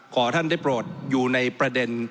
ขอท่านได้โปรดอยู่ในประเด็น